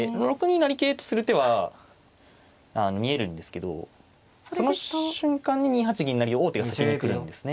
成桂とする手は見えるんですけどその瞬間に２八銀成で王手が先に来るんですね。